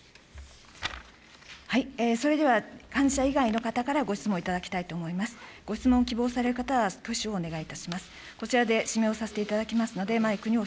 それでは幹事社以外の方からご質問を頂きたいと思います。